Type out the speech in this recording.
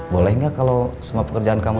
boleh nggak kalau semua pekerjaan kamu